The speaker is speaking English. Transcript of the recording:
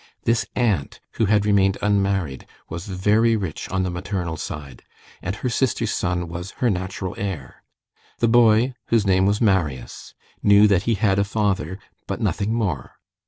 This aunt, who had remained unmarried, was very rich on the maternal side, and her sister's son was her natural heir. The boy, whose name was Marius, knew that he had a father, but nothing more.